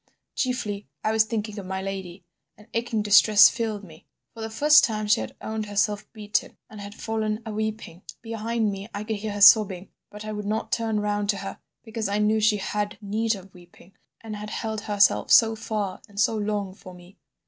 Chiefly, I was thinking of my lady. An aching distress filled me. For the first time she had owned herself beaten and had fallen a weeping. Behind me I could hear her sobbing, but I would not turn round to her because I knew she had need of weeping, and had held herself so far and so long for me.